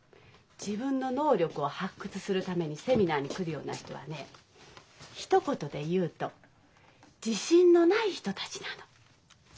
自分の能力を発掘するためにセミナーに来るような人はねひと言で言うと自信のない人たちなの。